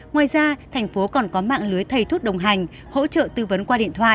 ngoài ra thành phố còn có mạng lưới thầy thuốc đồng hành hỗ trợ tư vấn qua điện thoại